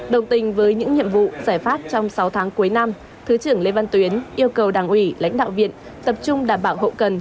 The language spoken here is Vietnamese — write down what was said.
đồng tình với những nhiệm vụ giải pháp trong sáu tháng cuối năm thứ trưởng lê văn tuyến yêu cầu đảng ủy lãnh đạo viện tập trung đảm bảo hậu cần